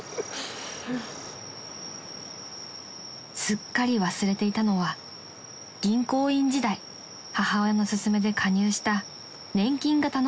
［すっかり忘れていたのは銀行員時代母親の勧めで加入した年金型の保険］